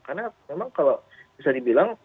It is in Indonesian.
karena memang kalau bisa dibilang